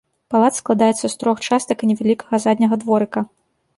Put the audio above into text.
Палац складаецца з трох частак і невялікага задняга дворыка.